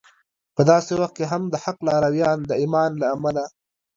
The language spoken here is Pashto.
په داسې وخت کې هم د حق لارویان د ایمان له امله